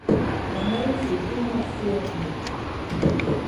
Naŋay zi gu ma fiogŋa.